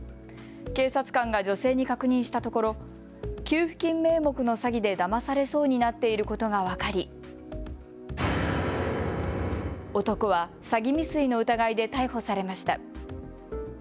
警察官が女性に確認したところ給付金名目の詐欺でだまされそうになっていることが分かり、男は詐欺未遂の疑いで逮捕されました。